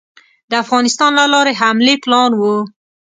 د افغانستان له لارې حملې پلان وو.